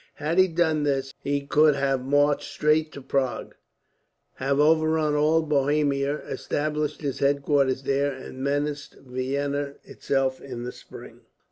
Had he done this he could have marched straight to Prague, have overrun all Bohemia, established his headquarters there, and menaced Vienna itself in the spring."